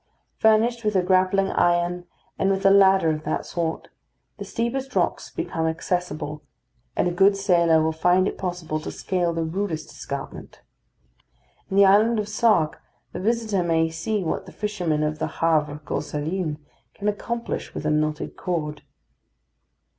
Furnished with a grappling iron and with a ladder of that sort, the steepest rocks become accessible, and a good sailor will find it possible to scale the rudest escarpment. In the island of Sark the visitor may see what the fishermen of the Havre Gosselin can accomplish with a knotted cord.